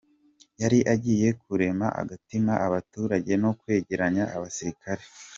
Yari agiye kurema agatima abaturage no kwegeranya abasilikare.